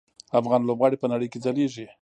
افغان لوبغاړي په نړۍ کې ځلیږي.